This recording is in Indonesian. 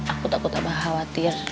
aku takut abah khawatir